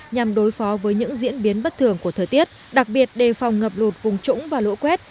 nhằm đối phó với những diễn biến bất thường của thời tiết đặc biệt đề phòng ngập lụt vùng trũng và lũ quét